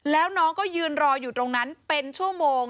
แล้วน้องก็ยืนรออยู่ตรงนั้นเป็นชั่วโมง